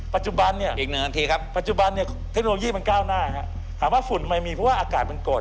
ปัจจุบันเนี่ยปัจจุบันเนี่ยเทคโนโลยีมันก้าวหน้าครับขอบฮ่าฝุ่นไม่มีเพราะว่าอากาศมันโกด